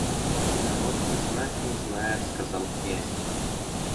Народ и знать не знает, — сказал князь.